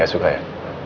gak suka ya